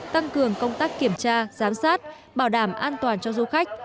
tăng cường công tác kiểm tra giám sát bảo đảm an toàn cho du khách